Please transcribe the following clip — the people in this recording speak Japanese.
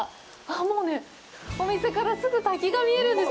もうね、お店からすぐ滝が見えるんです。